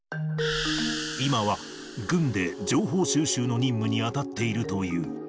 今は、軍で情報収集の任務に当たっているという。